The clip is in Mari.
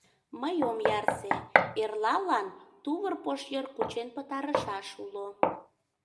Мый ом ярсе: эрлалан тувыр пошйыр кучен пытарышаш уло.